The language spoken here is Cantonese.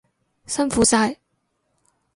辛苦晒！